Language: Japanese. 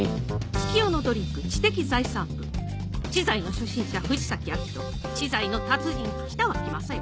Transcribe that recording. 月夜野ドリンク知的財産部知財の初心者藤崎亜季と知財の達人北脇雅美